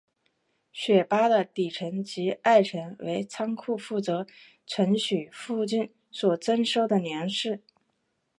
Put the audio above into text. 雪巴的底层及二层为仓库负责存储附近所征收的粮食。